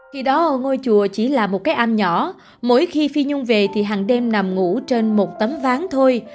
khi đó ở ngôi chùa chỉ là một cái am nhỏ mỗi khi phi nhung về thì hàng đêm nằm ngủ trên một tấm ván thôi